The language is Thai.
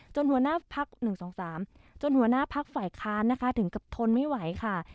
หัวหน้าพัก๑๒๓จนหัวหน้าพักฝ่ายค้านนะคะถึงกับทนไม่ไหวค่ะ